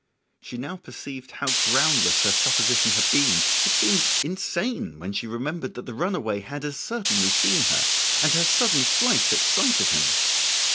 She now perceived how groundless her supposition had been; it seemed insane when she remembered that the runaway had as certainly seen her and her sudden flight at sight of him.